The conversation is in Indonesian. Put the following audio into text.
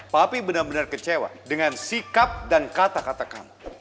papi benar benar kecewa dengan sikap dan kata kata kamu